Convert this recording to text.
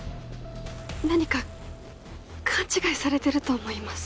何か勘違いされてると思います。